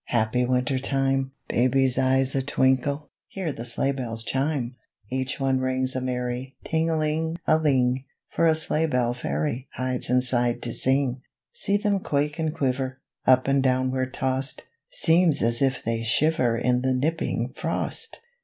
Happy winter time! Baby's eyes a twinkle, Hear the sleigh bells chime! Each one rings a merry Ting a ling a ling! For a sleigh bell fairy Hides inside to sing. See them quake and quiver, Up and downward tossed, Seems as if they shiver In the nipping frost!